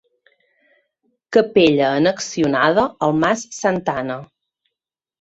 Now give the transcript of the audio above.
Capella annexionada al mas Santa Anna.